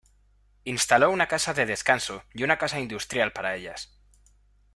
Instaló una Casa de Descanso y una Casa Industrial para ellas.